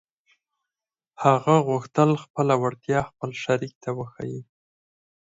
هغه غوښتل خپله وړتيا خپل شريک ته وښيي.